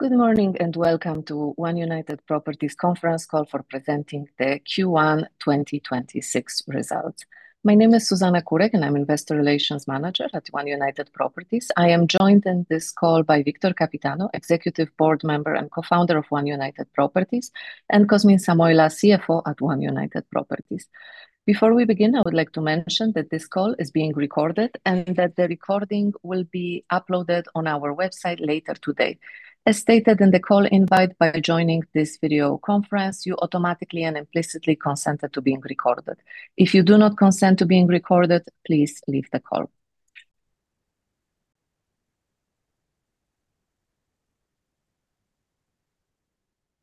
Good morning. Welcome to One United Properties conference call for presenting the Q1 2026 results. My name is Zuzanna Kurek, and I'm Investor Relations Manager at One United Properties. I am joined in this call by Victor Căpitanu, Executive Board Member and Co-founder of One United Properties, and Cosmin Samoilă, CFO at One United Properties. Before we begin, I would like to mention that this call is being recorded and that the recording will be uploaded on our website later today. As stated in the call invite, by joining this video conference, you automatically and implicitly consented to being recorded. If you do not consent to being recorded, please leave the call.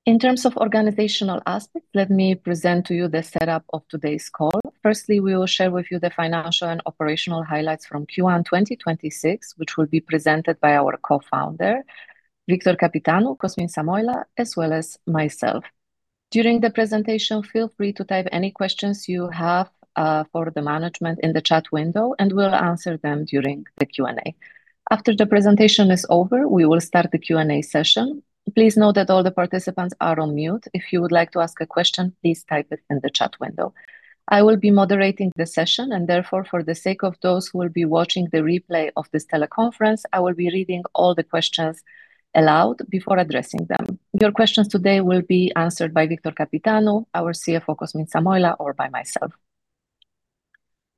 In terms of organizational aspect, let me present to you the setup of today's call. We will share with you the financial and operational highlights from Q1 2026, which will be presented by our co-founder, Victor Căpitanu, Cosmin Samoilă, as well as myself. During the presentation, feel free to type any questions you have for the management in the chat window, and we'll answer them during the Q&A. After the presentation is over, we will start the Q&A session. Please note that all the participants are on mute. If you would like to ask a question, please type it in the chat window. I will be moderating the session, and therefore, for the sake of those who will be watching the replay of this teleconference, I will be reading all the questions aloud before addressing them. Your questions today will be answered by Victor Căpitanu, our CFO, Cosmin Samoilă, or by myself.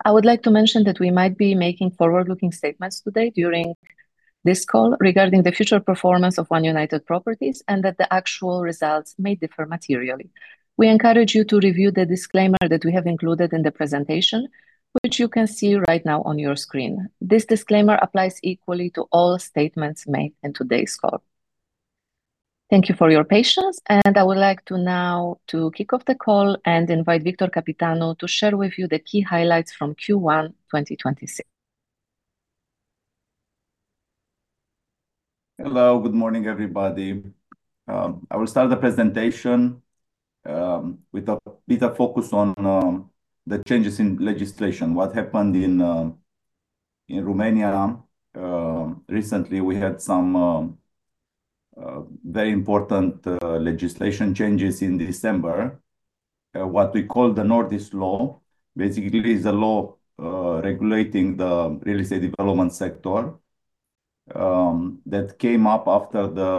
I would like to mention that we might be making forward-looking statements today during this call regarding the future performance of One United Properties and that the actual results may differ materially. We encourage you to review the disclaimer that we have included in the presentation, which you can see right now on your screen. This disclaimer applies equally to all statements made in today's call. Thank you for your patience. I would like to now to kick off the call and invite Victor Căpitanu to share with you the key highlights from Q1 2026. Hello. Good morning, everybody. I will start the presentation with a bit of focus on the changes in legislation, what happened in Romania. Recently, we had some very important legislation changes in December, what we call the Nordis Law. Basically, it is a law regulating the real estate development sector that came up after the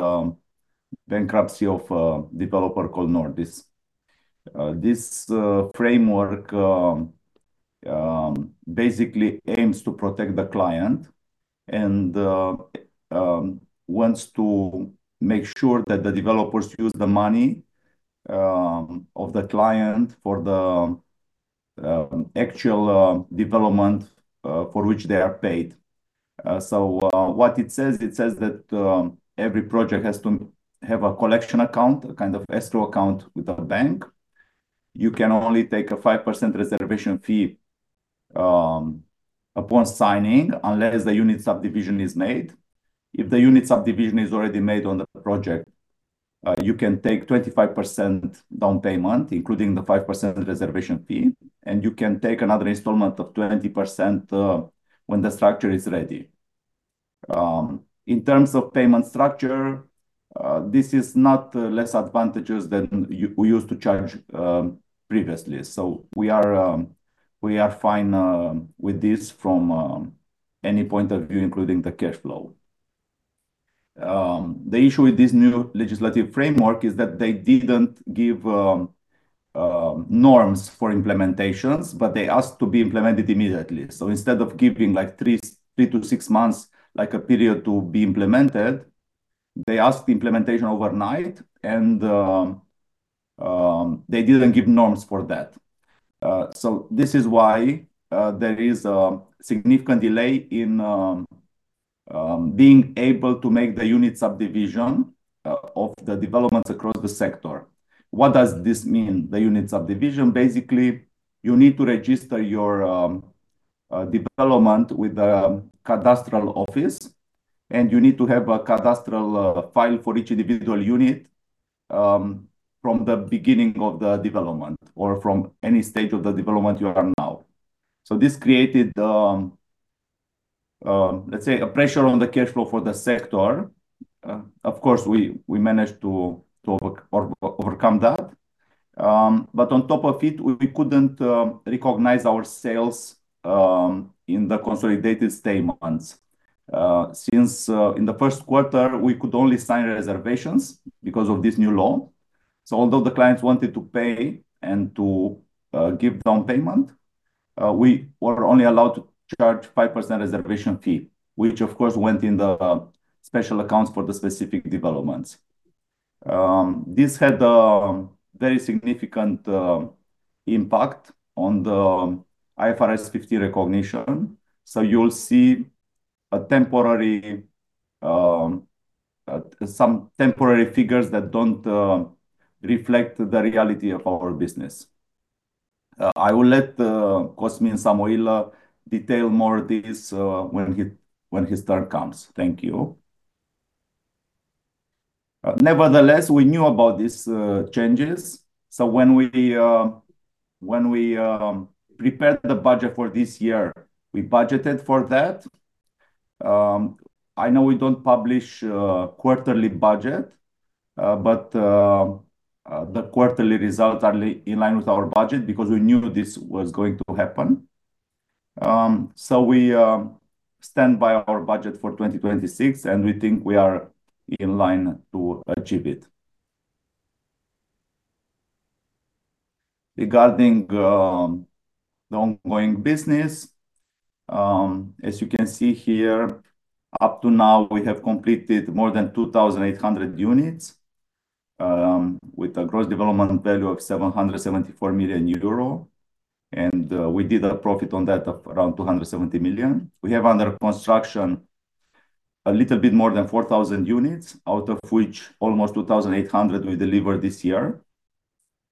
bankruptcy of a developer called Nordis. This framework basically aims to protect the client and wants to make sure that the developers use the money of the client for the actual development for which they are paid. What it says, it says that every project has to have a collection account, a kind of escrow account with a bank. You can only take a 5% reservation fee upon signing, unless the unit subdivision is made. If the unit subdivision is already made on the project, you can take 25% down payment, including the 5% reservation fee, and you can take another installment of 20% when the structure is ready. In terms of payment structure, this is not less advantageous than we used to charge previously. We are fine with this from any point of view, including the cash flow. The issue with this new legislative framework is that they didn't give norms for implementations, but they asked to be implemented immediately. Instead of giving, like three to six months, like a period to be implemented, they asked the implementation overnight, and they didn't give norms for that. This is why there is a significant delay in being able to make the unit subdivision of the developments across the sector. What does this mean, the unit subdivision? Basically, you need to register your development with the cadastral office, and you need to have a cadastral file for each individual unit from the beginning of the development or from any state of the development you are now. This created, let's say a pressure on the cash flow for the sector. Of course, we managed to overcome that. On top of it, we couldn't recognize our sales in the consolidated statements since in the first quarter, we could only sign reservations because of this new law. Although the clients wanted to pay and to give down payment, we were only allowed to charge 5% reservation fee, which of course went in the special accounts for the specific developments. This had a very significant impact on the IFRS 15 recognition. You'll see a temporary, some temporary figures that don't reflect the reality of our business. I will let Cosmin Samoilă detail more this when he, when his turn comes. Thank you. Nevertheless, we knew about these changes, when we prepared the budget for this year, we budgeted for that. I know we don't publish quarterly budget, the quarterly results are in line with our budget because we knew this was going to happen. We stand by our budget for 2026, and we think we are in line to achieve it. Regarding the ongoing business, as you can see here, up to now, we have completed more than 2,800 units, with a gross development value of 774 million euro. We did a profit on that of around 270 million. We have under construction a little bit more than 4,000 units, out of which almost 2,800 we deliver this year,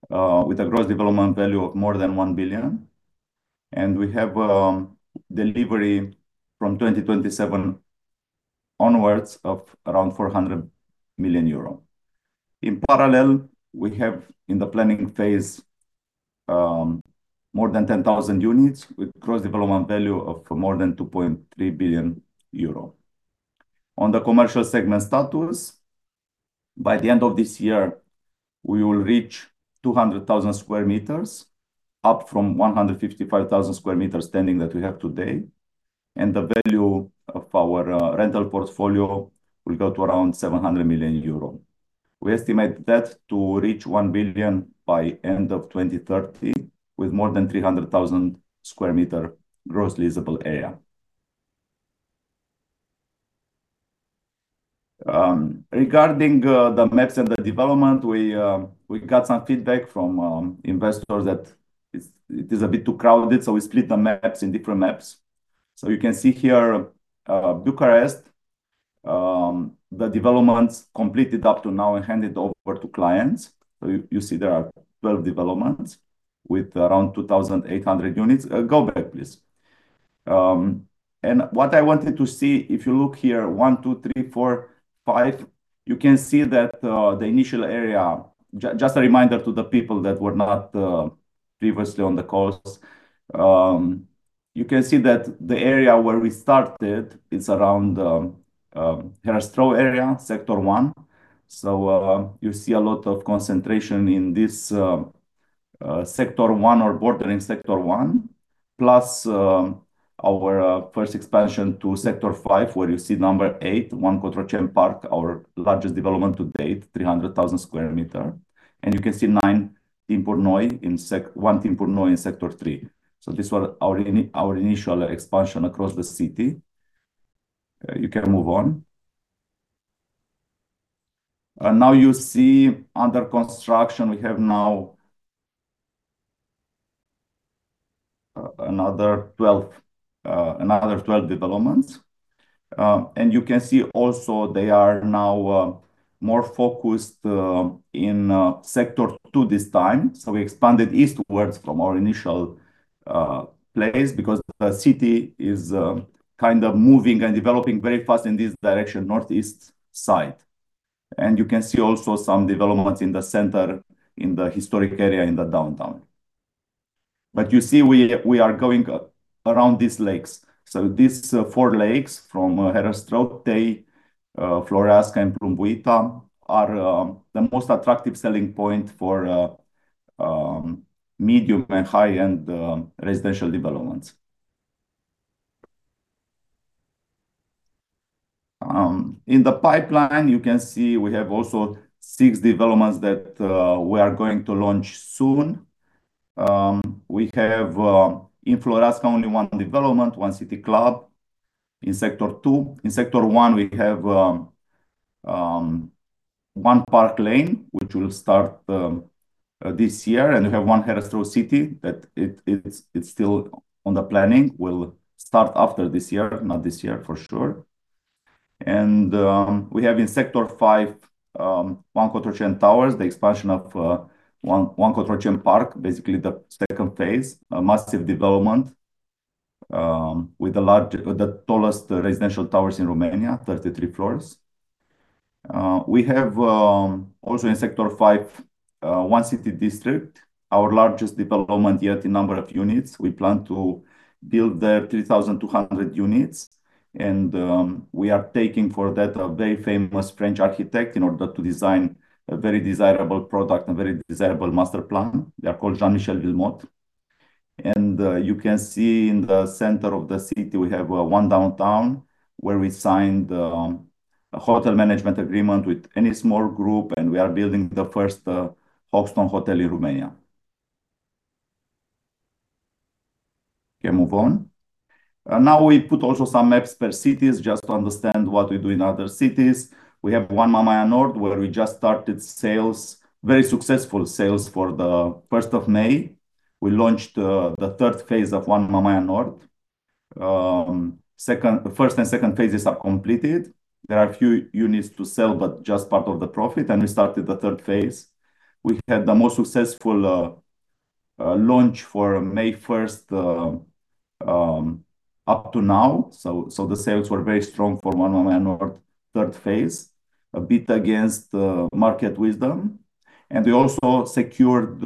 with a gross development value of more than 1 billion. We have delivery from 2027 onwards of around 400 million euro. In parallel, we have in the planning phase, more than 10,000 units with gross development value of more than 2.3 billion euro. On the commercial segment status, by the end of this year, we will reach 200,000 sq m, up from 155,000 sq m standing that we have today. The value of our rental portfolio will go to around 700 million euro. We estimate that to reach 1 billion by end of 2030, with more than 300,000 sq m gross leasable area. Regarding the maps and the development, we got some feedback from investors that it is a bit too crowded, so we split the maps in different maps. You can see here, Bucharest, the developments completed up to now and handed over to clients. You see there are 12 developments with around 2,800 units. Go back, please. What I wanted to see, if you look here, one, two, three, four, five, you can see that the initial area just a reminder to the people that were not previously on the calls. You can see that the area where we started, it's around Herăstrău area, Sector 1. You see a lot of concentration in this Sector 1 or bordering Sector 1, plus our first expansion to Sector 5, where you see number 8, One Cotroceni Park, our largest development to date, 300,000 sq m. You can see nine in One Timpuri Noi in Sector 3. These were our initial expansion across the city. You can move on. Now you see under construction, we have now another 12 developments. You can see also they are now more focused in Sector 2 this time. We expanded eastwards from our initial place because the city is kind of moving and developing very fast in this direction, northeast side. You can see also some developments in the center, in the historic area in the downtown. You see we are going around these lakes. These four lakes from Herăstrău, Tei, Floreasca, and Primăverii are the most attractive selling point for medium and high-end residential developments. In the pipeline, you can see we have also six developments that we are going to launch soon. We have in Floreasca, only one development, One City Club in Sector 2. In Sector 1, we have One Park Lane, which will start this year. We have One Herăstrău City that it's still on the planning. Will start after this year, not this year, for sure. We have in Sector 5, One Cotroceni Towers, the expansion of One Cotroceni Park, basically the phase II, a massive development with the tallest residential towers in Romania, 33 floors. We have also in Sector 5, One City District, our largest development yet in number of units. We plan to build there 3,200 units. We are taking for that a very famous French architect in order to design a very desirable product and very desirable master plan. They are called Jean-Michel Wilmotte. You can see in the center of the city, we have One Downtown, where we signed a hotel management agreement with Ennismore Group, and we are building the first Hoxton hotel in Romania. Can move on. Now we put also some maps per cities just to understand what we do in other cities. We have One Mamaia Nord, where we just started sales, very successful sales for the 1st of May. We launched the third phase of One Mamaia Nord. The first and second phases are completed. There are a few units to sell, but just part of the profit. We started the third phase. We had the most successful launch for May 1st up to now, the sales were very strong for One Mamaia Nord or third phase, a bit against the market wisdom. We also secured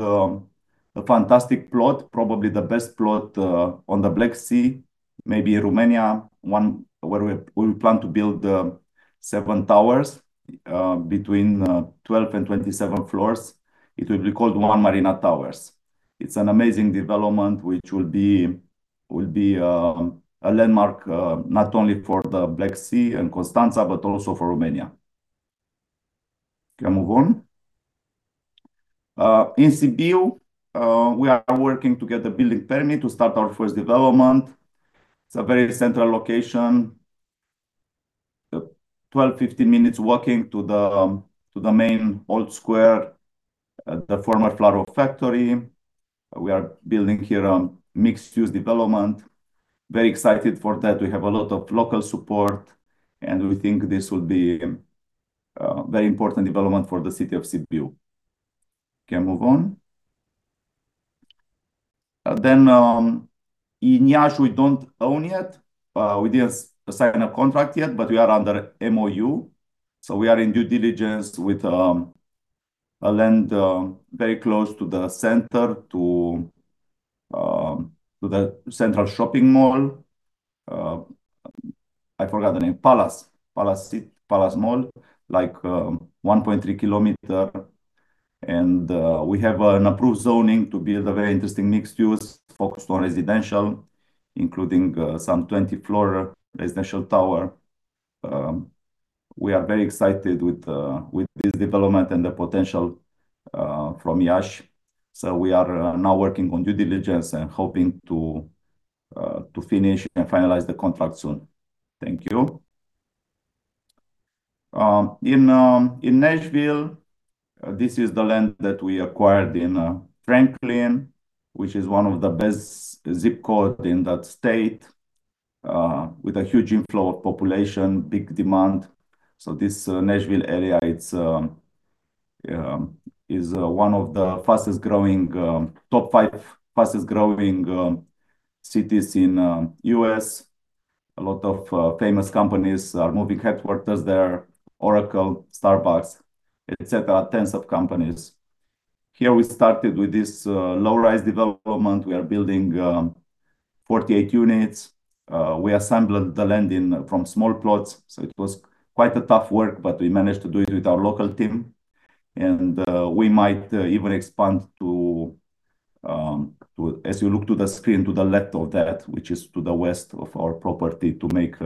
a fantastic plot, probably the best plot on the Black Sea, maybe Romania, one where we plan to build seven towers between 12 and 27 floors. It will be called One Marina Towers. It's an amazing development which will be a landmark not only for the Black Sea and Constanta, but also for Romania. Can move on. In Sibiu, we are working to get the building permit to start our first development. It's a very central location. 12, 15 minutes walking to the main old square at the former Flacăra factory. We are building here, mixed-use development. Very excited for that. We have a lot of local support, and we think this will be a very important development for the city of Sibiu. Can move on. In Iași, we don't own yet. We didn't sign a contract yet, but we are under MOU, so we are in due diligence with a land very close to the center to the central shopping mall. I forgot the name. Palas Mall, like 1.3 km. We have an approved zoning to build a very interesting mixed use focused on residential, including some 20-floor residential tower. We are very excited with this development and the potential from Iași. We are now working on due diligence and hoping to finish and finalize the contract soon. Thank you. In Nashville, this is the land that we acquired in Franklin, which is one of the best zip code in that state, with a huge inflow of population, big demand. This Nashville area, it's one of the fastest growing, top five fastest growing cities in the U.S. A lot of famous companies are moving headquarters there, Oracle, Starbucks, et cetera, tens of companies. Here, we started with this low-rise development. We are building 48 units. We assembled the land in from small plots, so it was quite a tough work, but we managed to do it with our local team. We might even expand to As you look to the screen to the left of that, which is to the west of our property, to make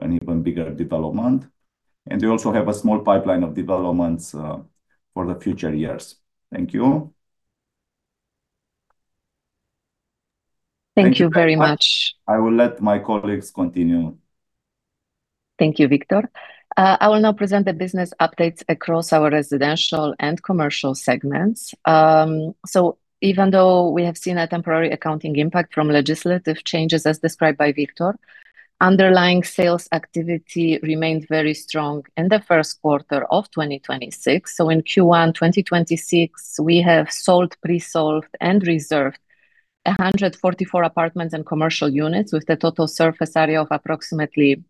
an even bigger development. We also have a small pipeline of developments for the future years. Thank you. Thank you very much. I will let my colleagues continue. Thank you, Victor. I will now present the business updates across our residential and commercial segments. Even though we have seen a temporary accounting impact from legislative changes, as described by Victor, underlying sales activity remained very strong in the first quarter of 2026. In Q1 2026, we have sold, pre-sold, and reserved 144 apartments and commercial units with a total surface area of approximately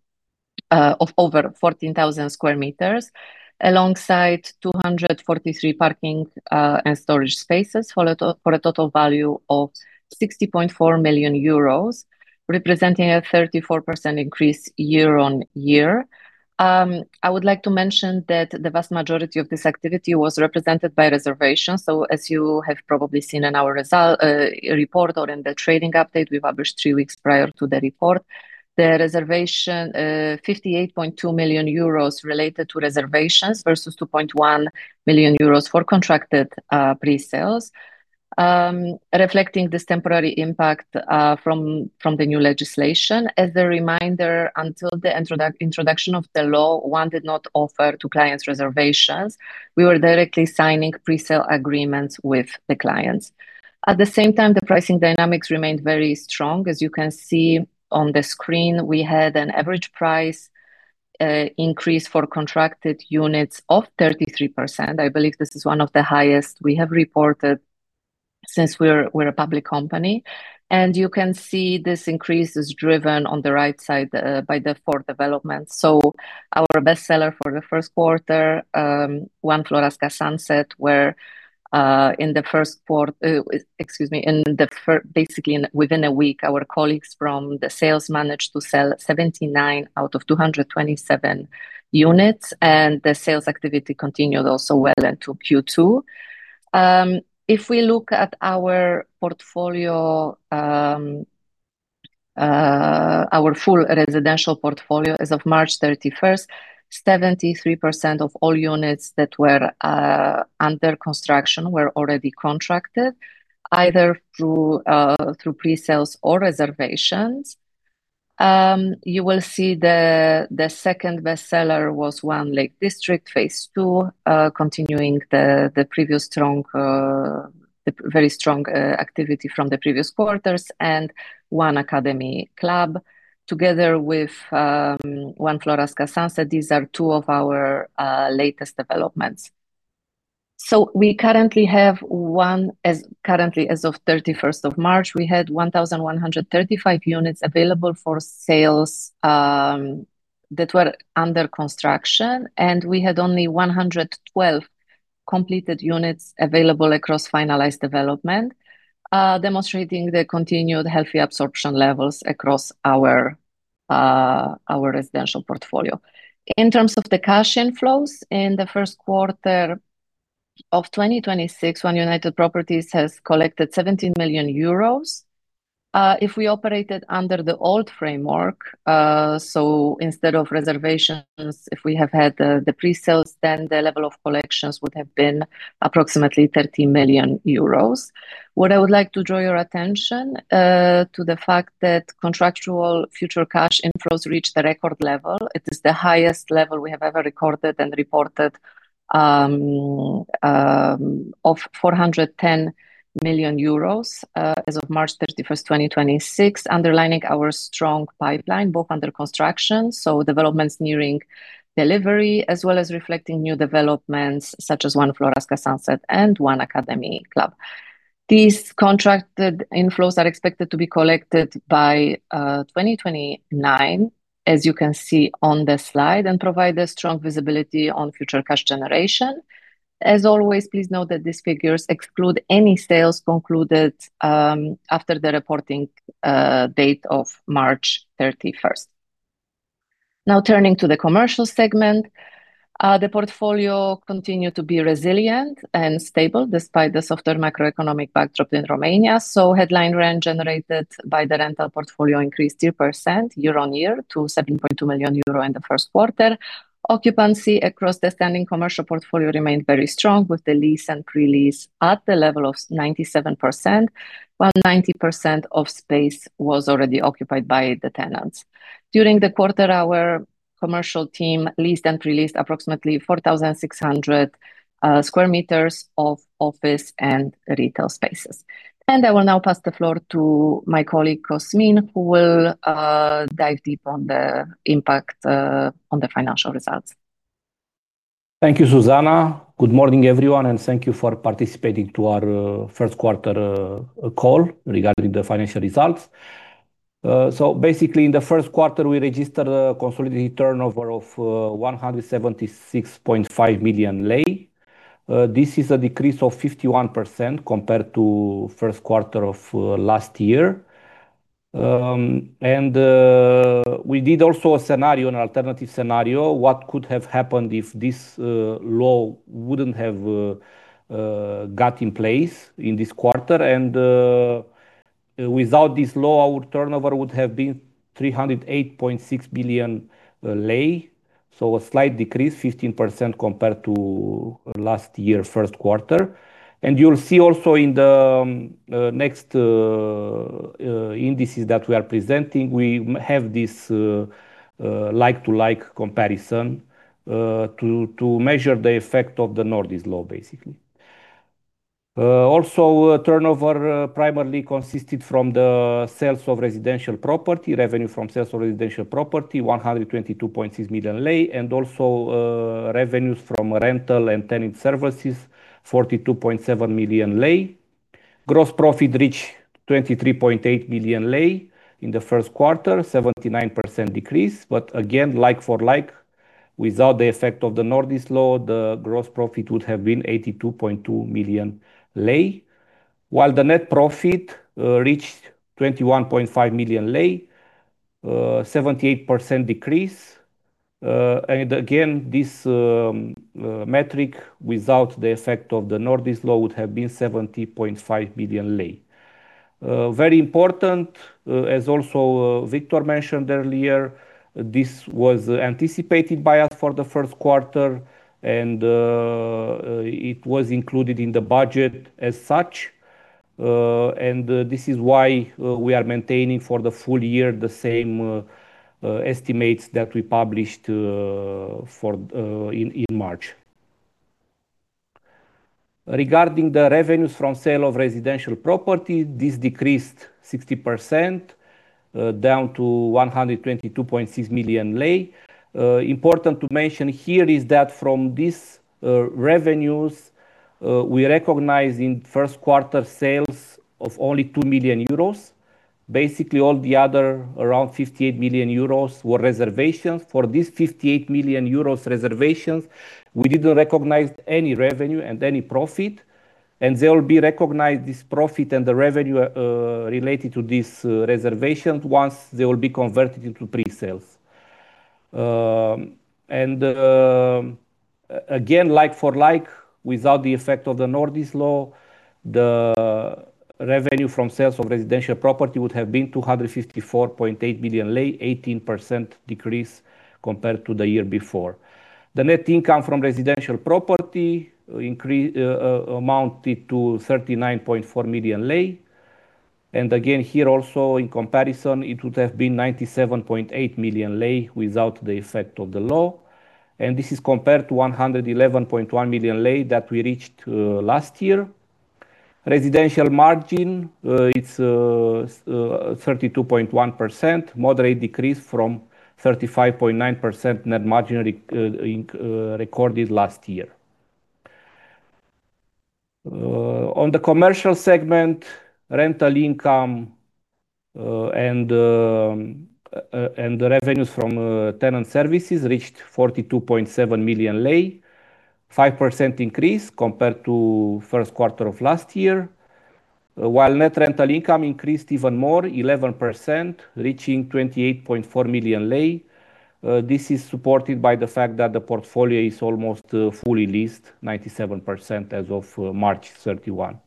over 14,000 sq m, alongside 243 parking and storage spaces for a total value of 60.4 million euros, representing a 34% increase year-on-year. I would like to mention that the vast majority of this activity was represented by reservations. As you have probably seen in our result report or in the trading update we published three weeks prior to the report, the reservation, 58.2 million euros related to reservations versus 2.1 million euros for contracted pre-sales, reflecting this temporary impact from the new legislation. As a reminder, until the introduction of the law, One did not offer to clients reservations. We were directly signing pre-sale agreements with the clients. At the same time, the pricing dynamics remained very strong. As you can see on the screen, we had an average price increase for contracted units of 33%. I believe this is one of the highest we have reported since we're a public company. You can see this increase is driven on the right side by the four developments. Our best seller for the first quarter, One Floreasca Sunset, where within a week, our colleagues from the sales managed to sell 79 out of 227 units, and the sales activity continued also well into Q2. If we look at our portfolio, our full residential portfolio as of March 31st, 73% of all units that were under construction were already contracted, either through pre-sales or reservations. You will see the second best seller was One Lake District phase II, continuing the previous strong, the very strong activity from the previous quarters and One Academy Club, together with One Floreasca Sunset, these are two of our latest developments. As of 31st of March, we had 1,135 units available for sales that were under construction, and we had only 112 completed units available across finalized development, demonstrating the continued healthy absorption levels across our residential portfolio. In terms of the cash inflows, in the first quarter of 2026, One United Properties has collected 17 million euros. If we operated under the old framework, so instead of reservations, if we have had the pre-sales, then the level of collections would have been approximately 30 million euros. What I would like to draw your attention to the fact that contractual future cash inflows reach the record level. It is the highest level we have ever recorded and reported, of 410 million euros as of March 31, 2026, underlining our strong pipeline, both under construction, so developments nearing delivery, as well as reflecting new developments such as One Floreasca Sunset and One Academy Club. These contracted inflows are expected to be collected by 2029, as you can see on the slide, and provide a strong visibility on future cash generation. As always, please note that these figures exclude any sales concluded after the reporting date of March 31st. Turning to the commercial segment. The portfolio continued to be resilient and stable despite the softer macroeconomic backdrop in Romania. Headline rent generated by the rental portfolio increased 2% year-on-year to 7.2 million euro in the first quarter. Occupancy across the standing commercial portfolio remained very strong with the lease and pre-lease at the level of 97%, while 90% of space was already occupied by the tenants. During the quarter, our commercial team leased and pre-leased approximately 4,600 square meters of office and retail spaces. I will now pass the floor to my colleague, Cosmin, who will dive deep on the impact on the financial results. Thank you, Zuzanna. Good morning, everyone, and thank you for participating to our first quarter call regarding the financial results. Basically, in the first quarter, we registered a consolidated turnover of RON 176.5 million. This is a decrease of 51% compared to first quarter of last year. We did also a scenario, an alternative scenario, what could have happened if this law wouldn't have got in place in this quarter. Without this law, our turnover would have been RON 308.6 billion, so a slight decrease, 15% compared to last year first quarter. You'll see also in the next indices that we are presenting, we have this like-to-like comparison to measure the effect of the Nordis Law, basically. Also, turnover primarily consisted from the sales of residential property, revenue from sales of residential property, RON 122.6 million, and also, revenues from rental and tenant services, RON 42.7 million. Gross profit reached RON 23.8 million in the first quarter, 79% decrease. Again, like for like, without the effect of the Nordis Law, the gross profit would have been RON 82.2 million. While the net profit reached RON 21.5 million, 78% decrease. This metric without the effect of the Nordis Law would have been RON 70.5 million. Very important, as Victor Căpitanu mentioned earlier, this was anticipated by us for the first quarter. It was included in the budget as such. This is why we are maintaining for the full year the same estimates that we published in March. Regarding the revenues from sale of residential property, this decreased 60% down to RON 122.6 million. Important to mention here is that from these revenues, we recognize in first quarter sales of only 2 million euros. Basically, all the other around 58 million euros were reservations. For these 58 million euros reservations, we didn't recognize any revenue and any profit, and they'll be recognized, this profit and the revenue related to these reservations once they will be converted into pre-sales. Again, like for like, without the effect of the Nordis Law, the revenue from sales of residential property would have been RON 254.8 million, 18% decrease compared to the year before. The net income from residential property increase amounted to RON 39.4 million. Again, here also in comparison, it would have been RON 97.8 million without the effect of the law. This is compared to RON 111.1 million that we reached last year. Residential margin is 32.1%. Moderate decrease from 35.9% net margin recorded last year. On the commercial segment, rental income and revenues from tenant services reached RON 42.7 million. 5% increase compared to first quarter of last year. While net rental income increased even more, 11%, reaching RON 28.4 million. This is supported by the fact that the portfolio is almost fully leased, 97% as of March 31.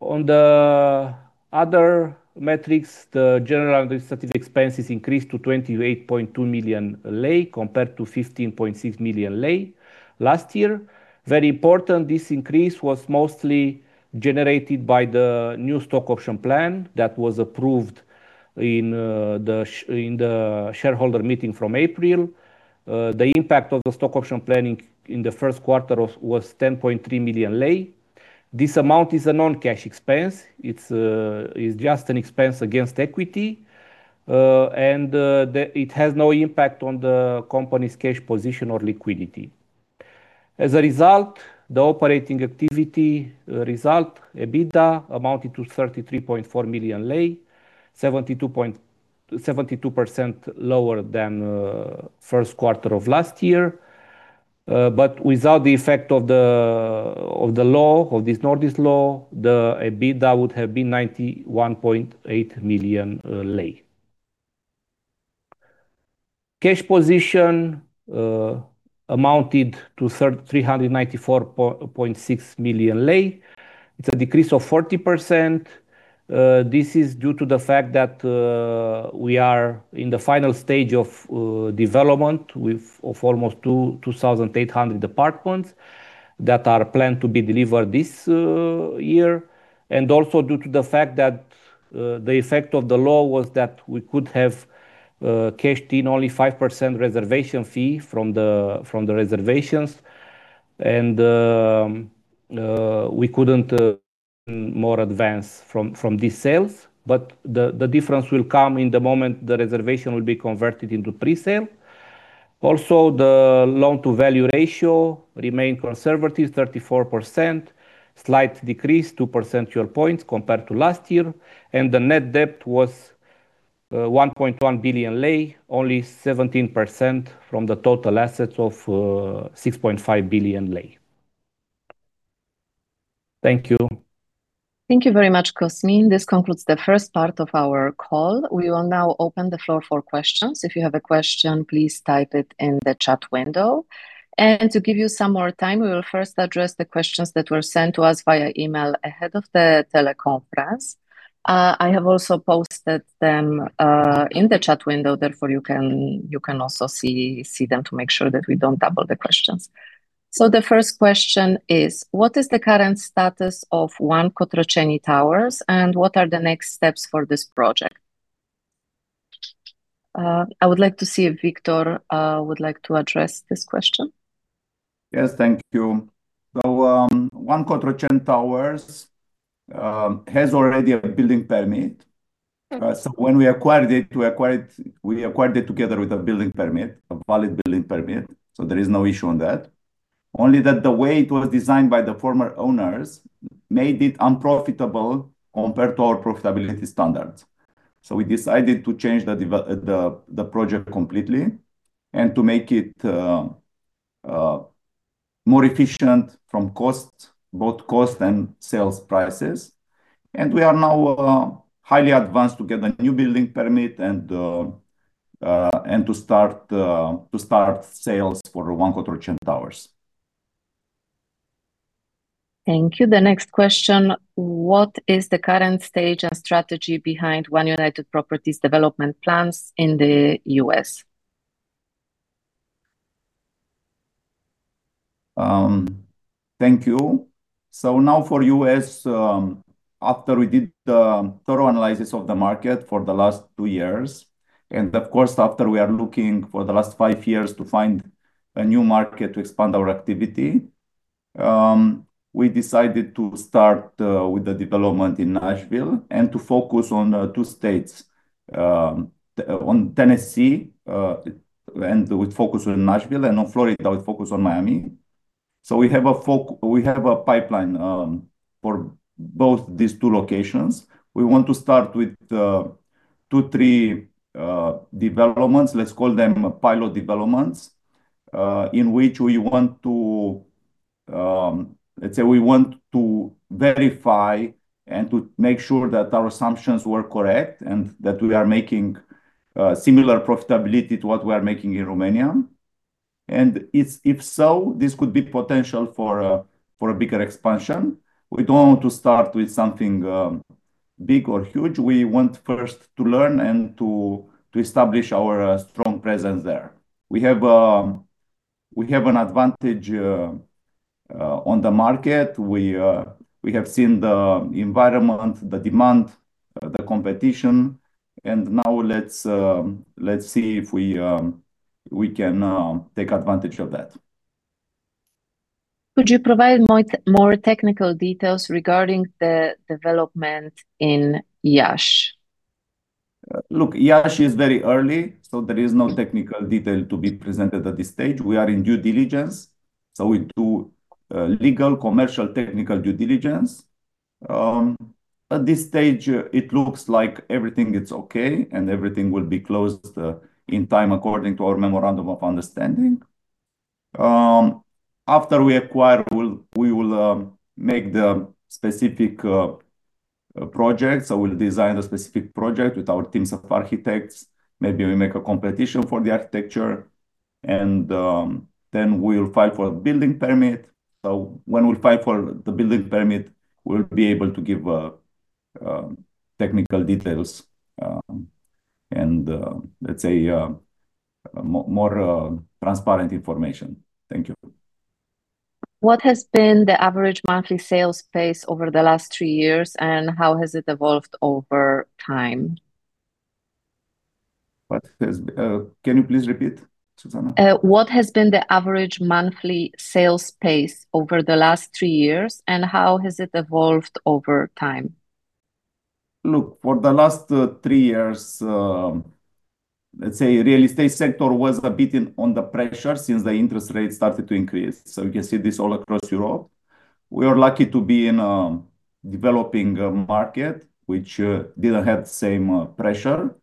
On the other metrics, the general administrative expenses increased to RON 28.2 million compared to RON 15.6 million last year. Very important, this increase was mostly generated by the new stock option plan that was approved in the shareholder meeting from April. The impact of the stock option planning in the first quarter was RON 10.3 million. This amount is a non-cash expense. It's just an expense against equity. It has no impact on the company's cash position or liquidity. As a result, the operating activity result, EBITDA, amounted to RON 33.4 million, 72.72% lower than first quarter of last year. Without the effect of the law, of this Nordis Law, the EBITDA would have been RON 91.8 million. Cash position amounted to RON 394.6 million. It's a decrease of 40%. This is due to the fact that we are in the final stage of development of almost 2,800 apartments that are planned to be delivered this year. Also due to the fact that the effect of the law was that we could have cashed in only 5% reservation fee from the reservations. We couldn't more advance from these sales. The difference will come in the moment the reservation will be converted into pre-sale. Also, the loan-to-value ratio remained conservative, 34%. Slight decrease, 2 percentile points compared to last year. The net debt was RON 1.1 billion, only 17% from the total assets of RON 6.5 billion. Thank you. Thank you very much, Cosmin. This concludes the first part of our call. We will now open the floor for questions. If you have a question, please type it in the chat window. To give you some more time, we will first address the questions that were sent to us via email ahead of the teleconference. I have also posted them in the chat window, therefore you can also see them to make sure that we don't double the questions. The first question is: What is the current status of One Cotroceni Towers, and what are the next steps for this project? I would like to see if Victor would like to address this question. Yes. Thank you. One Cotroceni Towers has already a building permit. Okay. When we acquired it, we acquired it together with a building permit, a valid building permit, there is no issue on that. Only that the way it was designed by the former owners made it unprofitable compared to our profitability standards. We decided to change the project completely, and to make it more efficient from costs, both costs and sales prices. We are now highly advanced to get a new building permit and to start sales for One Cotroceni Towers. Thank you. The next question: What is the current stage and strategy behind One United Properties development plans in the U.S.? Thank you. Now for U.S., after we did the thorough analysis of the market for the last two years, and of course, after we are looking for the last five years to find a new market to expand our activity, we decided to start with the development in Nashville and to focus on two states. On Tennessee, and with focus on Nashville and on Florida with focus on Miami. We have a pipeline for both these two locations. We want to start with two, three developments. Let's call them pilot developments, in which we want to let's say we want to verify and to make sure that our assumptions were correct and that we are making similar profitability to what we are making in Romania. If so, this could be potential for a bigger expansion. We don't want to start with something big or huge. We want first to learn and to establish our strong presence there. We have an advantage on the market. We have seen the environment, the demand, the competition, now let's see if we. We can take advantage of that. Could you provide more technical details regarding the development in Iași? Look, Iași is very early. There is no technical detail to be presented at this stage. We are in due diligence. We do legal, commercial, technical due diligence. At this stage, it looks like everything is okay and everything will be closed in time according to our memorandum of understanding. After we acquire, we will make the specific projects or we will design the specific project with our teams of architects. Maybe we make a competition for the architecture. We will file for a building permit. When we file for the building permit, we will be able to give technical details. Let's say more transparent information. Thank you. What has been the average monthly sales pace over the last 3 years, and how has it evolved over time? Can you please repeat, Zuzanna? What has been the average monthly sales pace over the last three years, and how has it evolved over time? Look, for the last three years, real estate sector was a bit under pressure since the interest rates started to increase. We can see this all across Europe. We are lucky to be in developing a market which didn't have the same pressure.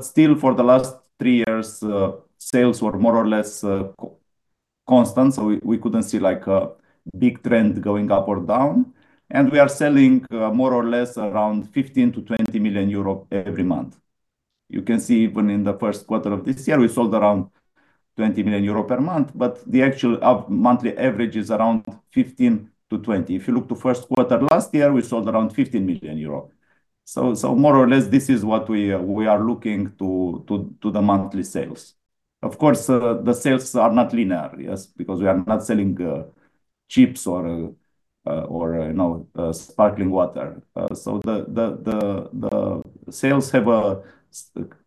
Still for the last three years, sales were more or less constant, we couldn't see like a big trend going up or down. We are selling more or less around 15 million-20 million euro every month. You can see even in the first quarter of this year, we sold around 20 million euro per month, but the actual monthly average is around 15-20. If you look to first quarter last year, we sold around 15 million euro. More or less, this is what we are looking to the monthly sales. Of course, the sales are not linear, yes. Because we are not selling, chips or, you know, sparkling water. The sales have a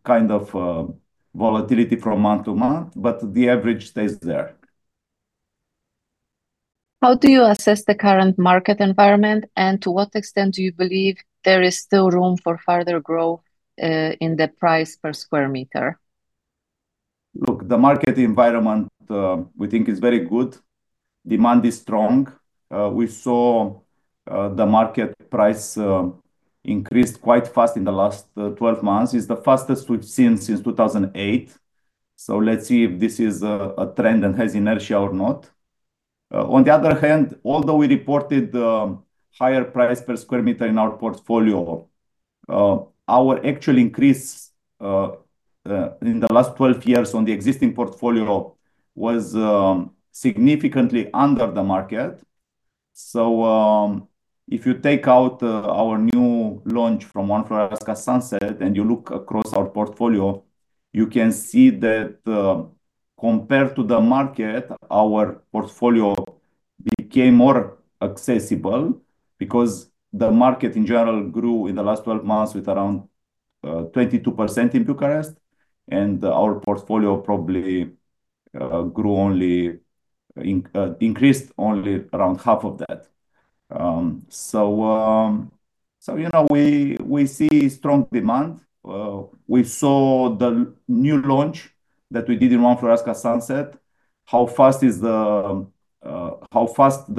kind of volatility from month to month, but the average stays there. How do you assess the current market environment, and to what extent do you believe there is still room for further growth, in the price per square meter? The market environment, we think is very good. Demand is strong. We saw the market price increase quite fast in the last 12 months. It's the fastest we've seen since 2008. Let's see if this is a trend and has inertia or not. On the other hand, although we reported higher price per square meter in our portfolio, our actual increase in the last 12 years on the existing portfolio was significantly under the market. If you take out our new launch from One Floreasca Sunset and you look across our portfolio, you can see that compared to the market, our portfolio became more accessible because the market in general grew in the last 12 months with around 22% in Bucharest, and our portfolio probably increased only around half of that. You know, we see strong demand. We saw the new launch that we did in One Floreasca Sunset, how fast the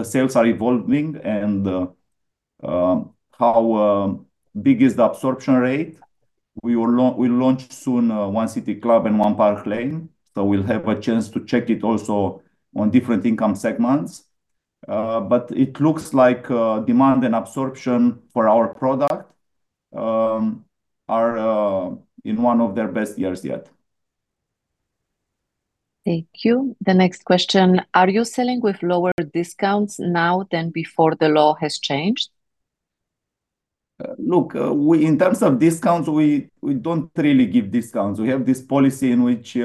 sales are evolving and how big is the absorption rate. We'll launch soon One City Club and One Park Lane, we'll have a chance to check it also on different income segments. It looks like demand and absorption for our product are in one of their best years yet. Thank you. The next question: Are you selling with lower discounts now than before the law has changed? Look, we, in terms of discounts, we don't really give discounts. We have this policy in which,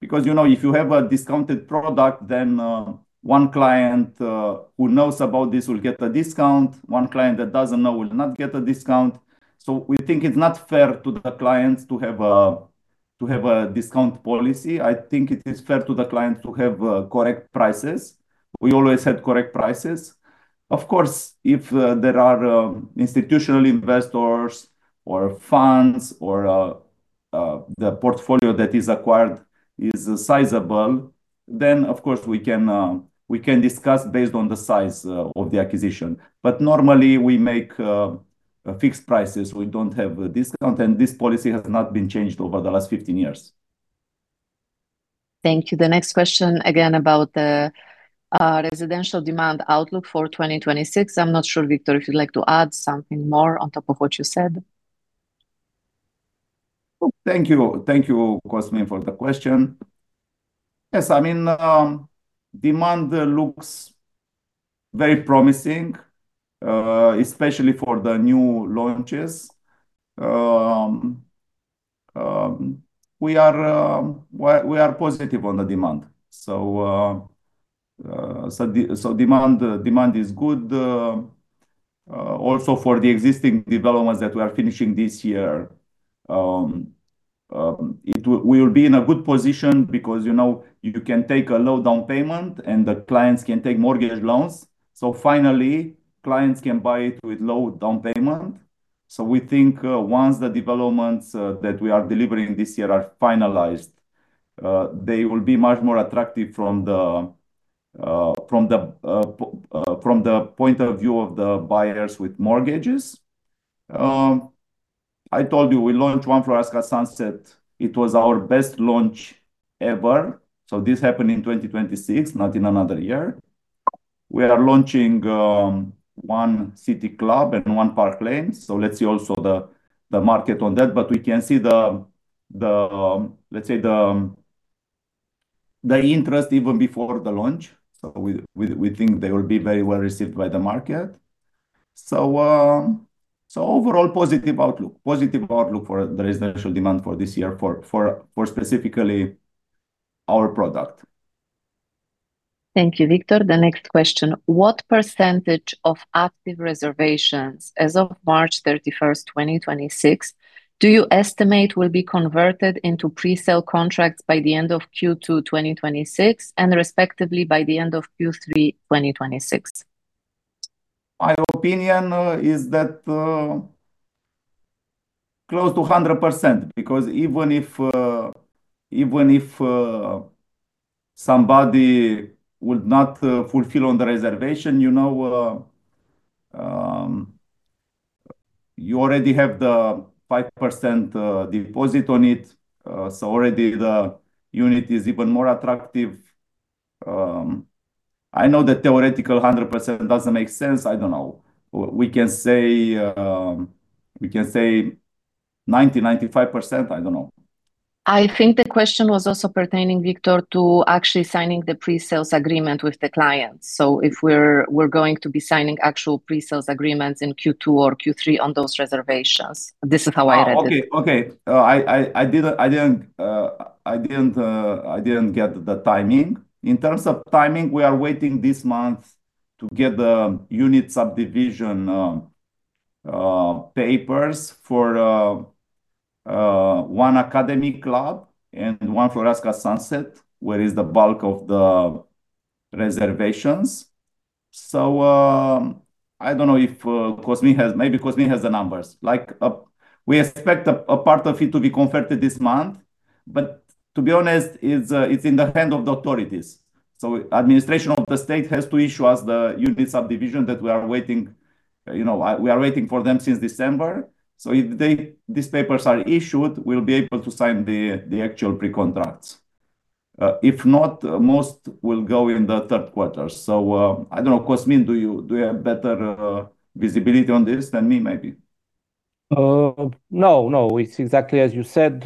because you know, if you have a discounted product then, one client, who knows about this will get a discount. One client that doesn't know will not get a discount. We think it's not fair to the clients to have a discount policy. I think it is fair to the clients to have correct prices. We always had correct prices. Of course, if there are institutional investors or funds or the portfolio that is acquired is sizable, then of course we can discuss based on the size of the acquisition. Normally, we make fixed prices. We don't have a discount, and this policy has not been changed over the last 15 years. Thank you. The next question, again about the residential demand outlook for 2026. I'm not sure, Victor, if you'd like to add something more on top of what you said? Thank you. Thank you, Cosmin, for the question. Yes, demand looks very promising, especially for the new launches. We are positive on the demand. Demand is good, also for the existing developments that we are finishing this year. We will be in a good position because, you know, you can take a low down payment and the clients can take mortgage loans. Finally, clients can buy it with low down payment. We think, once the developments that we are delivering this year are finalized, they will be much more attractive from the point of view of the buyers with mortgages. I told you, we launched One Floreasca Sunset. It was our best launch ever. This happened in 2026, not in another year. We are launching One City Club and One Park Lane, let's see also the market on that. We can see the, let's say the interest even before the launch. We think they will be very well received by the market. Overall positive outlook. Positive outlook for the residential demand for this year for specifically our product. Thank you, Victor. The next question, what percentage of active reservations as of March 31st, 2026, do you estimate will be converted into pre-sale contracts by the end of Q2 2026 and respectively by the end of Q3 2026? My opinion is that close to 100% because even if even if somebody would not fulfill on the reservation, you know, you already have the 5% deposit on it. Already the unit is even more attractive. I know the theoretical 100% doesn't make sense. I don't know. We can say 90%, 95%. I don't know. I think the question was also pertaining, Victor, to actually signing the pre-sales agreement with the clients. If we're going to be signing actual pre-sales agreements in Q2 or Q3 on those reservations. This is how I read it. Okay, okay. I didn't get the timing. In terms of timing, we are waiting this month to get the unit subdivision papers for One Academy Club and One Floreasca Sunset, where is the bulk of the reservations. Maybe Cosmin has the numbers. We expect a part of it to be converted this month, but to be honest, it's in the hand of the authorities. Administration of the state has to issue us the unit subdivision that we are waiting, you know, we are waiting for them since December. If these papers are issued, we'll be able to sign the actual pre-contracts. If not, most will go in the third quarter. I don't know. Cosmin, do you have better visibility on this than me maybe? no. It's exactly as you said.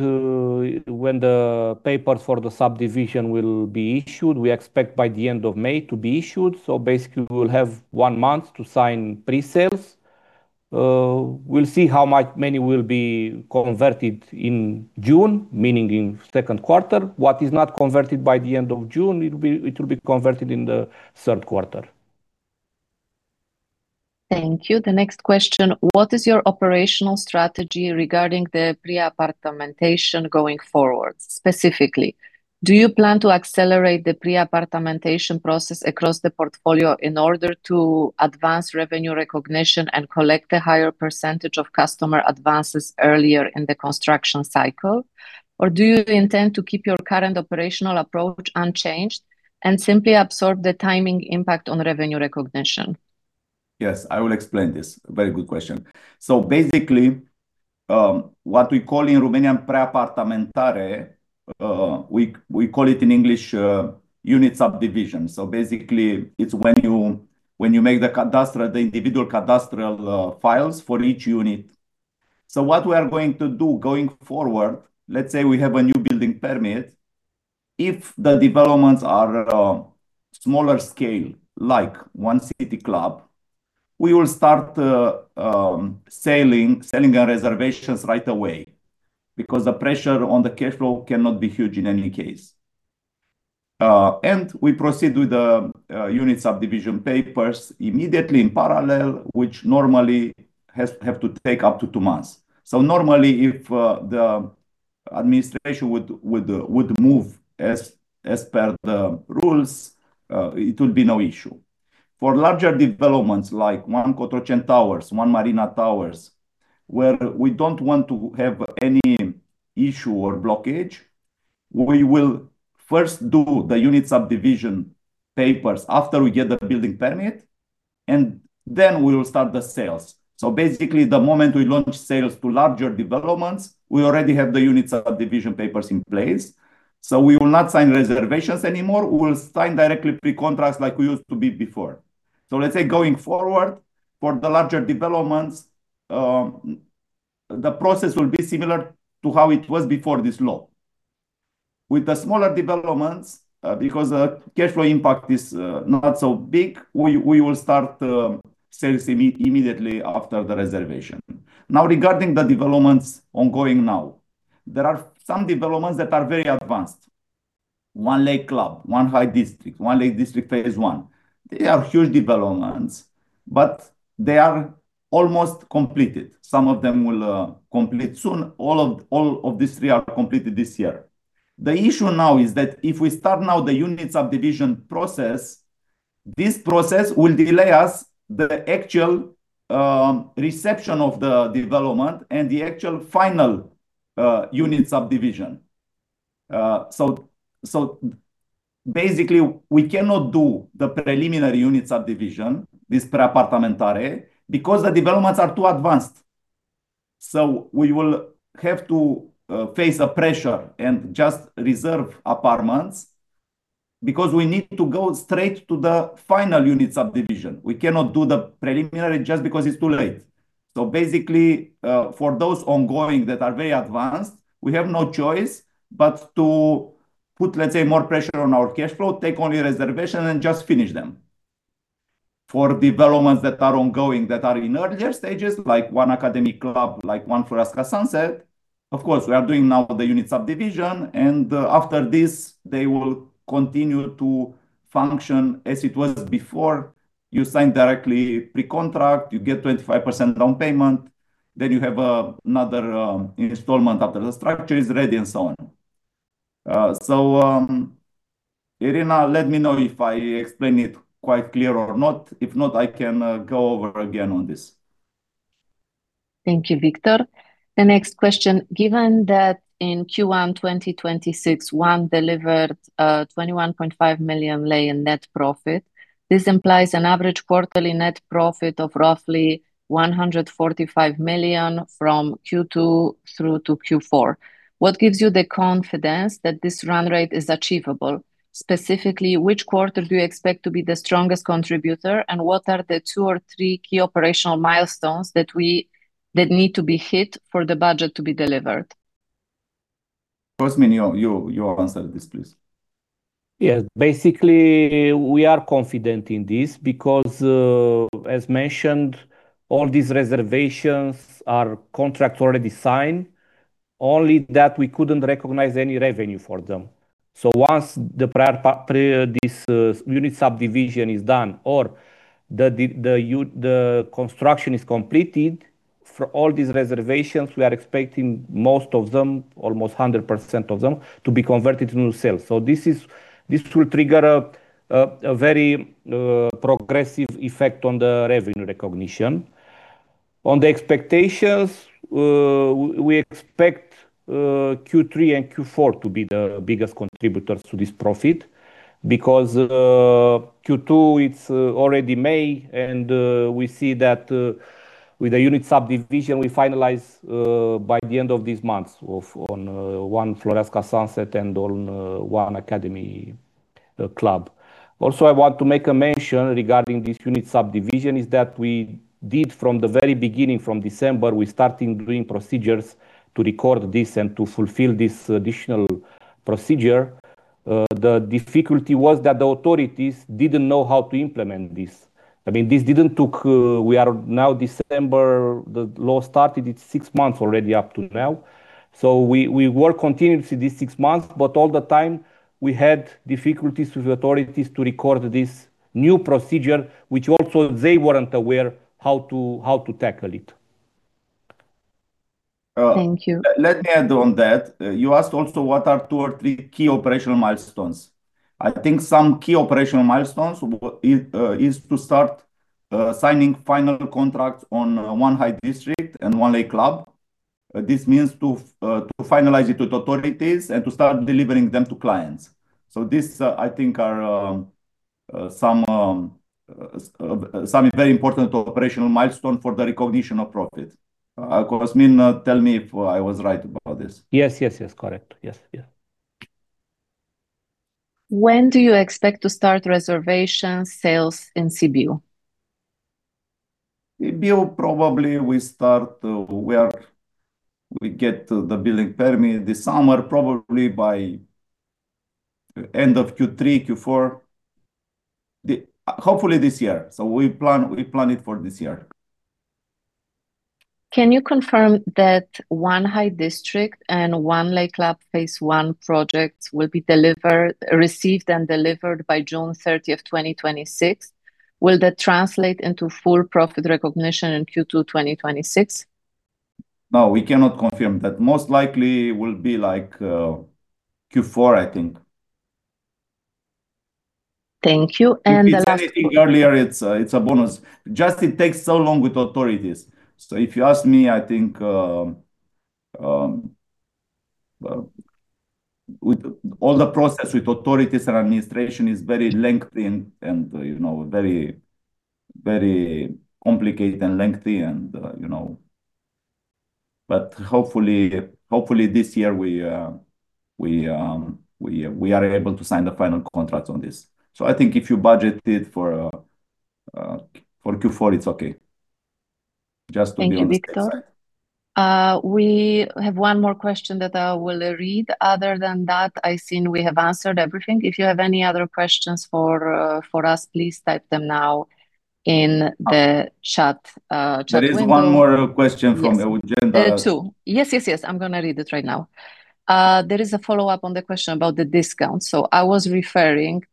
when the papers for the subdivision will be issued, we expect by the end of May to be issued. basically, we will have one month to sign pre-sales. we'll see how much many will be converted in June, meaning in second quarter. What is not converted by the end of June, it will be converted in the third quarter. Thank you. The next question, what is your operational strategy regarding the pre-apartamentare going forward? Specifically, do you plan to accelerate the pre-apartamentare process across the portfolio in order to advance revenue recognition and collect a higher percentage of customer advances earlier in the construction cycle? Or do you intend to keep your current operational approach unchanged and simply absorb the timing impact on revenue recognition? Yes, I will explain this. Very good question. What we call in Romanian pre-apartamentare, we call it in English unit subdivision. It's when you make the cadastral, the individual cadastral files for each unit. What we are going to do going forward, let's say we have a new building permit. If the developments are smaller scale, like One City Club, we will start selling our reservations right away because the pressure on the cash flow cannot be huge in any case. And we proceed with the unit subdivision papers immediately in parallel, which normally have to take up to two months. Normally, if the administration would move as per the rules, it would be no issue. For larger developments like One Cotroceni Towers, One Marina Towers, where we don't want to have any issue or blockage, we will first do the unit subdivision papers after we get the building permit, and then we will start the sales. Basically, the moment we launch sales to larger developments, we already have the unit subdivision papers in place. We will not sign reservations anymore. We will sign directly pre-contracts like we used to be before. Let's say going forward, for the larger developments, the process will be similar to how it was before this law. With the smaller developments, because cash flow impact is not so big, we will start sales immediately after the reservation. Now, regarding the developments ongoing now. There are some developments that are very advanced. One Lake Club, One High District, One Lake District phase I. They are huge developments, but they are almost completed. Some of them will complete soon. All of these three are completed this year. The issue now is that if we start now the unit subdivision process, this process will delay us the actual reception of the development and the actual final unit subdivision. Basically we cannot do the preliminary unit subdivision, this pre-apartamentare, because the developments are too advanced. We will have to face a pressure and just reserve apartments because we need to go straight to the final unit subdivision. We cannot do the preliminary just because it's too late. Basically, for those ongoing that are very advanced, we have no choice but to put, let's say, more pressure on our cash flow, take only reservation and just finish them. For developments that are ongoing that are in earlier stages, like One Academy Club, like One Floreasca Sunset, of course, we are doing now the unit subdivision, and after this, they will continue to function as it was before. You sign directly pre-contract, you get 25% down payment, then you have another installment after the structure is ready and so on. Irina, let me know if I explained it quite clear or not. If not, I can go over again on this. Thank you, Victor. The next question, given that in Q1 2026, One delivered RON 21.5 million in net profit, this implies an average quarterly net profit of roughly RON 145 million from Q2 through to Q4. What gives you the confidence that this run rate is achievable? Specifically, which quarter do you expect to be the strongest contributor, and what are the two or three key operational milestones that need to be hit for the budget to be delivered? Cosmin, you answer this, please. Yes. Basically, we are confident in this because, as mentioned, all these reservations are contracts already signed. Only that we couldn't recognize any revenue for them. Once the unit subdivision is done or the construction is completed for all these reservations, we are expecting most of them, almost 100% of them, to be converted to new sales. This will trigger a very progressive effect on the revenue recognition. On the expectations, we expect Q3 and Q4 to be the biggest contributors to this profit because Q2, it's already May, and we see that with the unit subdivision, we finalize by the end of this month on One Floreasca Sunset and on One Academy Club. I want to make a mention regarding this unit subdivision is that we did from the very beginning, from December, we starting doing procedures to record this and to fulfill this additional procedure. The difficulty was that the authorities didn't know how to implement this. I mean, this didn't took. We are now December. The law started, it's six months already up to now. We work continuously these six months, but all the time, we had difficulties with authorities to record this new procedure, which also they weren't aware how to tackle it. Thank you. Let me add on that. You asked also what are two or three key operational milestones. I think some key operational milestones is to start signing final contracts on One High District and One Lake Club. This means to finalize it with authorities and to start delivering them to clients. This I think are some is very important operational milestone for the recognition of profit. Cosmin, tell me if I was right about this. Yes. Yes. Yes. Correct. Yes. Yeah. When do you expect to start reservation sales in Sibiu? Sibiu, probably we start where we get the building permit this summer, probably by end of Q3, Q4. Hopefully this year. We plan it for this year. Can you confirm that One High District and One Lake Club phase one projects will be delivered received and delivered by June 30th, 2026? Will that translate into full profit recognition in Q2 2026? No, we cannot confirm that. Most likely will be, like, Q4, I think. Thank you. If it's anything earlier, it's a bonus. Just it takes so long with authorities. If you ask me, I think, well, with all the process with authorities and administration is very lengthy, you know, very complicated and lengthy, you know. Hopefully, hopefully this year, we are able to sign the final contracts on this. I think if you budget it for Q4, it's okay. Just to be on the safe side. Thank you, Victor. We have one more question that I will read. Other than that, I've seen we have answered everything. If you have any other questions for us, please type them now in the chat window. There is one more question from Eugen. Yes. Two. Yes, yes. I'm gonna read it right now. There is a follow-up on the question about the discount. I was referring,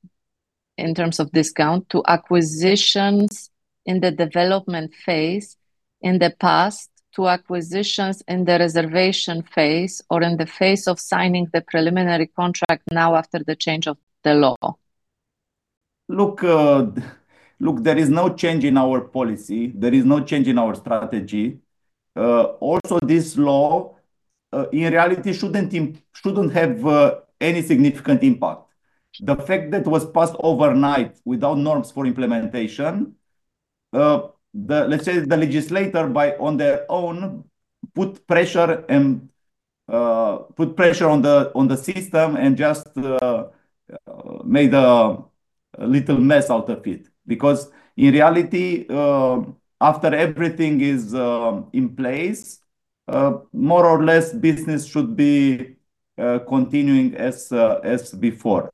in terms of discount, to acquisitions in the development phase in the past to acquisitions in the reservation phase or in the phase of signing the preliminary contract now after the change of the law. Look, look, there is no change in our policy. There is no change in our strategy. Also this law, in reality shouldn't have any significant impact. The fact that it was passed overnight without norms for implementation, the Let's say the legislator by, on their own, put pressure on the system and just made a little mess out of it. In reality, after everything is in place, more or less business should be continuing as before.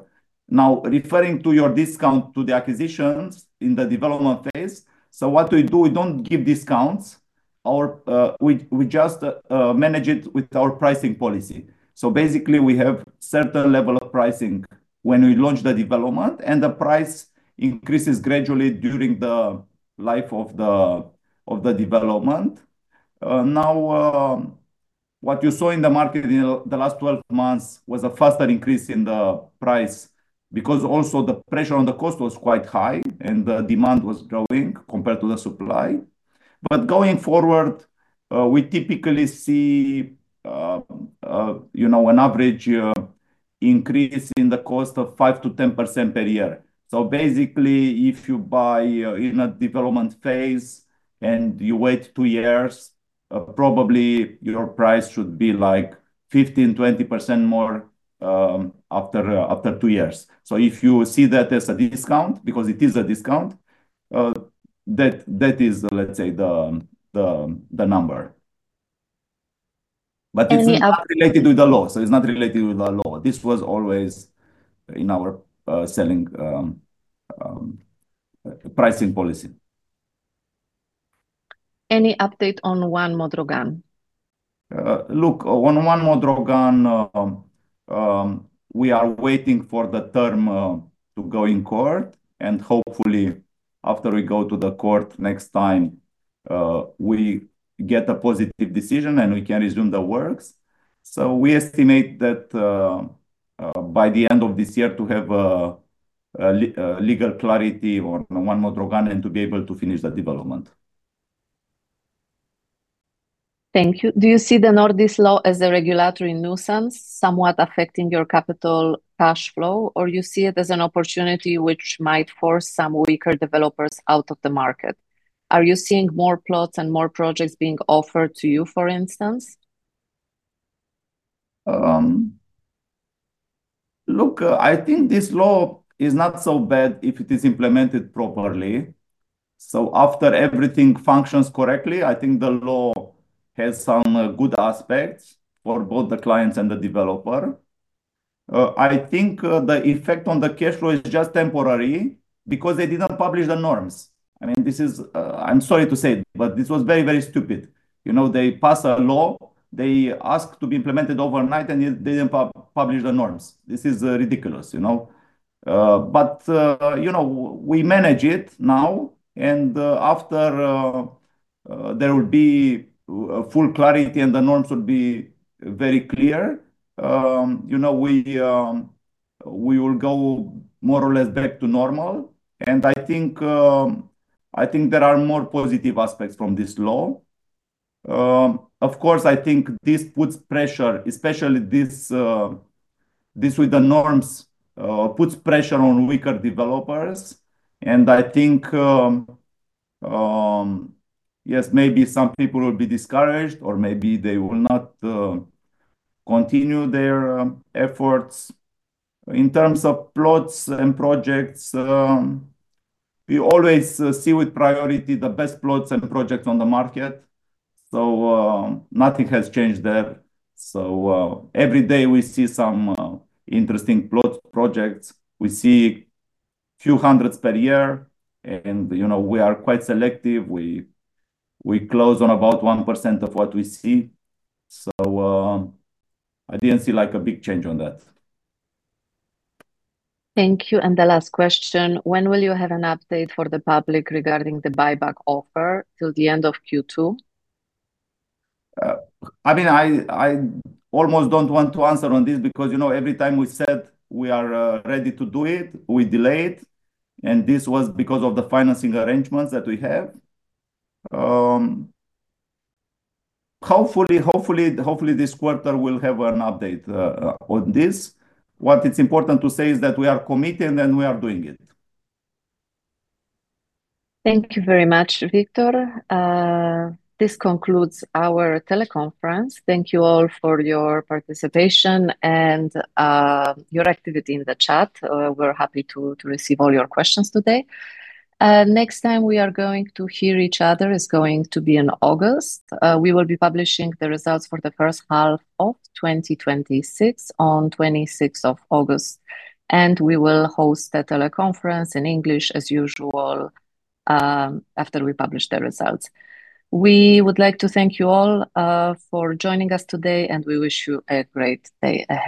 Referring to your discount to the acquisitions in the development phase, what we do, we don't give discounts or, we just manage it with our pricing policy. Basically we have certain level of pricing when we launch the development, and the price increases gradually during the life of the development. What you saw in the market in the last 12 months was a faster increase in the price because also the pressure on the cost was quite high and the demand was growing compared to the supply. Going forward, we typically see, you know, an average increase in the cost of 5%-10% per year. Basically, if you buy in a development phase and you wait two years, probably your price should be like 15%-20% more after two years. If you see that as a discount, because it is a discount, that is, let's say, the number. Any up- not related with the law. It's not related with the law. This was always in our selling pricing policy. Any update on One Modrogan? Look, on One Modrogan, we are waiting for the term to go in court. Hopefully after we go to the court next time, we get a positive decision and we can resume the works. We estimate that by the end of this year to have a legal clarity on One Modrogan and to be able to finish the development. Thank you. Do you see the Nordis Law as a regulatory nuisance somewhat affecting your capital cash flow, or you see it as an opportunity which might force some weaker developers out of the market? Are you seeing more plots and more projects being offered to you, for instance? Look, I think this law is not so bad if it is implemented properly. After everything functions correctly, I think the law has some good aspects for both the clients and the developer. I think the effect on the cash flow is just temporary because they did not publish the norms. I mean, this is, I'm sorry to say, but this was very, very stupid. You know, they pass a law, they ask to be implemented overnight, and yet they didn't publish the norms. This is ridiculous, you know? But, you know, we manage it now, and after there will be full clarity and the norms will be very clear, you know, we will go more or less back to normal. I think there are more positive aspects from this law. Of course, I think this puts pressure, especially this with the norms, puts pressure on weaker developers. I think, yes, maybe some people will be discouraged or maybe they will not continue their efforts. In terms of plots and projects, we always see with priority the best plots and projects on the market. Nothing has changed there. Every day we see some interesting plot projects. We see few hundreds per year and, you know, we are quite selective. We close on about 1% of what we see. I didn't see, like, a big change on that. Thank you. The last question: When will you have an update for the public regarding the buyback offer? Till the end of Q2? I mean, I almost don't want to answer on this because, you know, every time we said we are ready to do it, we delay it. This was because of the financing arrangements that we have. Hopefully this quarter we'll have an update on this. What it's important to say is that we are committed and we are doing it. Thank you very much, Victor. This concludes our teleconference. Thank you all for your participation and your activity in the chat. We're happy to receive all your questions today. Next time we are going to hear each other is going to be in August. We will be publishing the results for the first half of 2026 on 26th of August, and we will host a teleconference in English as usual after we publish the results. We would like to thank you all for joining us today, and we wish you a great day ahead.